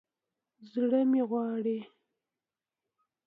زړه مې غواړي